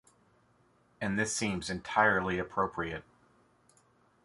And this seems entirely appropriate.